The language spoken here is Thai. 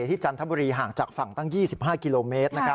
จันทบุรีห่างจากฝั่งตั้ง๒๕กิโลเมตร